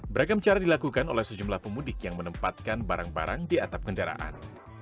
beragam cara dilakukan oleh sejumlah pemudik yang menempatkan barang barang di atap kendaraan